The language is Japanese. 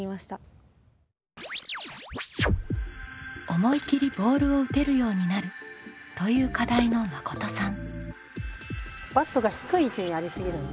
「思い切りボールを打てる」ようになるという課題のまことさん。